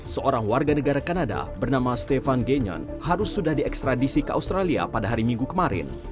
seorang warga negara kanada bernama stefan genyan harus sudah diekstradisi ke australia pada hari minggu kemarin